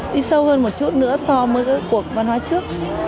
đi sâu hơn một chút nữa so với các cuộc văn hóa trước